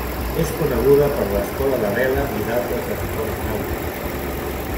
És coneguda per l’escola de vela i d’altres esports nàutics.